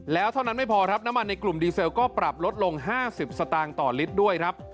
แล้วเท่านั้นไม่พอครับน้ำมันในกลุ่มดีเซลก็ปรับลดลง๕๐สตางค์ต่อลิตรด้วยครับ